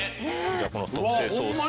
じゃあこの特製ソース。